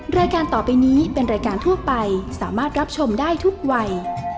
รายการต่อไปนี้เป็นรายการทั่วไปสามารถรับชมได้ทุกวัย